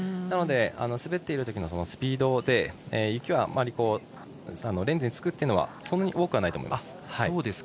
なので滑っているときのスピードで雪はあまりレンズにつくことはそんなに多くないと思います。